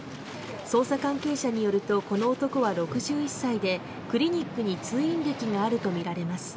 捜査関係者によるとこの男は６１歳でクリニックに通院歴があるとみられます。